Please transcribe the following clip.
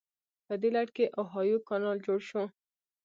په دې لړ کې اوهایو کانال جوړ شو.